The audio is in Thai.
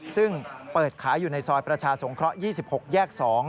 ซึ่งเปิดขายอยู่ในซอยประชาสงเคราะห์๒๖แยก๒